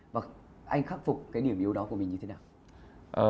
vâng anh khắc phục cái điểm yếu đó của mình như thế nào